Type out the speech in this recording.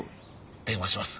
電話します。